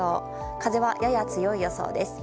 風はやや強い予想です。